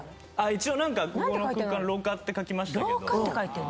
一応ここの空間廊下って書きましたけど。